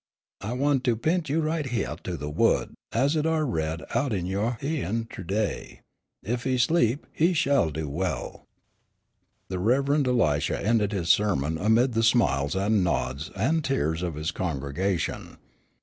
I want to p'int you right hyeah to the Wo'd, as it are read out in yo' hyeahin' ter day, 'Ef he sleep, he shell do well.'" The Rev. Elisha ended his sermon amid the smiles and nods and tears of his congregation.